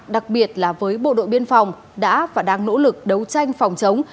đặc biệt là với bộ đội biên phòng đã và đang nỗ lực đấu tranh phòng chống